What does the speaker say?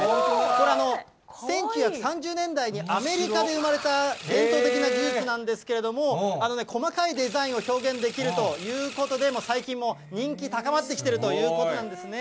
これ、１９３０年代にアメリカで生まれた伝統的な技術なんですけれども、細かいデザインを表現できるということで、最近も人気高まってきているということなんですね。